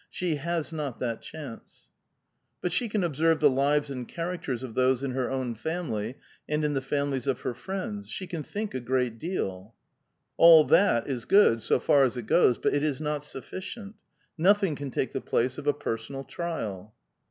She has not that chance." ^^ But she can observe the lives and characters of those in her own family and in the families of her friends ; she can think a great deal." All that is good, so far as it goes, but it is not sufficient. Nothing can take the place of a i^rsonal trial."